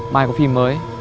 mai có phim mới